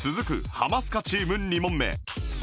ハマスカチーム２問目